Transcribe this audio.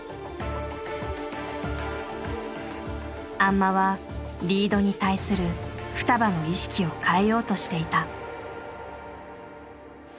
安間はリードに対するふたばの意識を変えようとしていた。